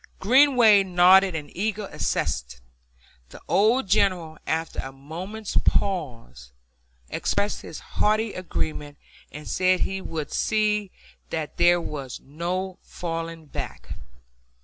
Greenway nodded an eager assent. The old General, after a moment's pause, expressed his hearty agreement, and said that he would see that there was no falling back.